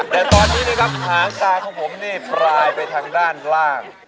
แต่ตอนนี้นะครับหางตาของผมนี่ปลายไปทางด้านล่าง